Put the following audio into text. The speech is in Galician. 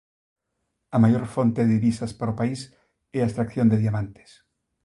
A maior fonte de divisas para o país é a extracción de diamantes.